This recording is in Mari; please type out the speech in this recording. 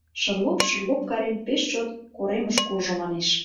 Шырлоп-шырлоп кырен, пеш чот коремыш куржо, манеш.